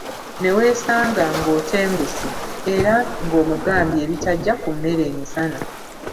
Neweesanga “ng'otenguse”era ng’omugambye ebitajja ku mmere emisana.